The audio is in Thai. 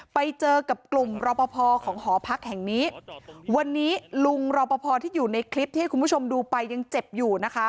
ไปเจอกับกลุ่มรอปภของหอพักแห่งนี้วันนี้ลุงรอปภที่อยู่ในคลิปที่ให้คุณผู้ชมดูไปยังเจ็บอยู่นะคะ